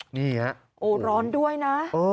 โหร้อนด้วยนะ